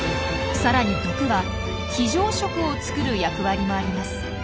さらに毒は非常食を作る役割もあります。